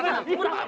pak pak pak